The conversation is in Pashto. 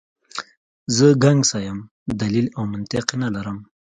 زه ګنګسه یم، دلیل او منطق نه لرم.